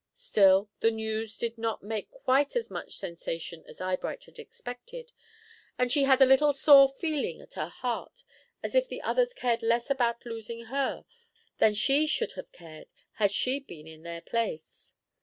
Still, the news did not make quite as much sensation as Eyebright had expected, and she had a little sore feeling at her heart, as if the others cared less about losing her than she should have cared had she been in their place.